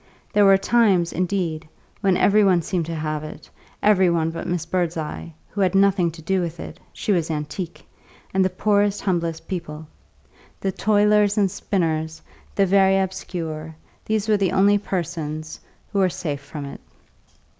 There were times, indeed, when every one seemed to have it, every one but Miss Birdseye (who had nothing to do with it she was an antique) and the poorest, humblest people. The toilers and spinners, the very obscure, these were the only persons who were safe from it.